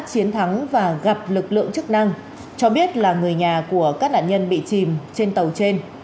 trong một diễn biến khác có người đã đến xã chiến thắng và gặp lực lượng chức năng cho biết là người nhà của các nạn nhân bị chìm trên tàu trên